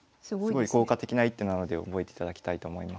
すごい効果的な一手なので覚えていただきたいと思います。